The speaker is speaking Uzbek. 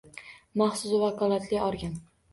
Maxsus vakolatli organ: